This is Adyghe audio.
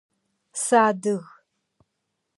Сыадыг.